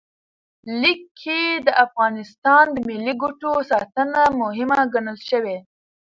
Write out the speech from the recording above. لیک کې د افغانستان د ملي ګټو ساتنه مهمه ګڼل شوې.